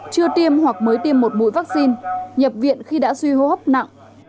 chưa tiêm hoặc mới tiêm một mũi vaccine nhập viện khi đã suy hô hấp nặng